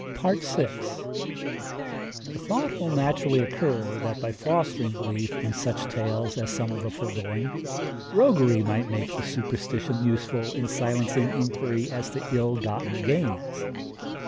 FOOTNOTE: 'Cymru Fu,' 472. VI. The thought will naturally occur that by fostering belief in such tales as some of the foregoing, roguery might make the superstition useful in silencing inquiry as to ill gotten gains.